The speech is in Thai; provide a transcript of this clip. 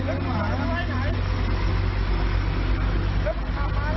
เค้าเรียกคำหน่อย